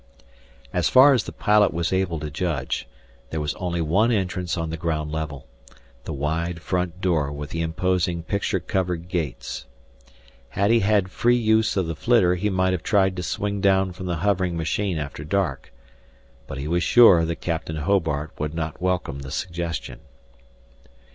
As far as the pilot was able to judge, there was only one entrance on the ground level, the wide front door with the imposing picture covered gates. Had he had free use of the flitter he might have tried to swing down from the hovering machine after dark. But he was sure that Captain Hobart would not welcome the suggestion.